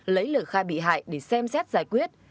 lấy lời khai bị hại để xem xét giải quyết